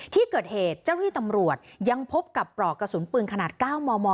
ที่เกิดเหตุเจ้าที่ตำรวจยังพบกับปลอกกระสุนปืนขนาด๙มม